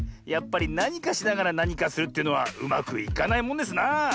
やっぱりなにかしながらなにかするというのはうまくいかないもんですなあ。